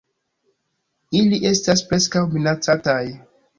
Ili estas Preskaŭ Minacataj.